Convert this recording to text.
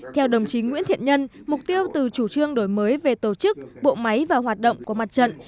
theo đồng chí nguyễn thiện nhân mục tiêu từ chủ trương đổi mới về tổ chức bộ máy và hoạt động của mặt trận